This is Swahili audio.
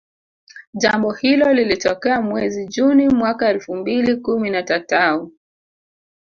Jambo hilo lilitokea mwezi juni mwaka elfu mbili kumi na tatau